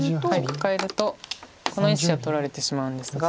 カカえるとこの１子は取られてしまうんですが。